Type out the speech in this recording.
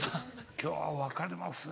今日は分かりますね